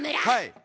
はい。